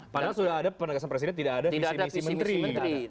padahal sudah ada penegasan presiden tidak ada visi misi menteri